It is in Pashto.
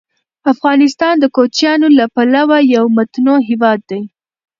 افغانستان د کوچیانو له پلوه یو متنوع هېواد دی.